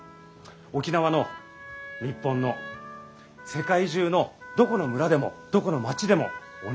沖縄の日本の世界中のどこの村でもどこの街でも同じなんです。